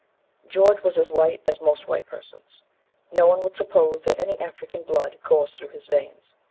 George was as white as most white persons. No one would suppose that any African blood coursed through his veins.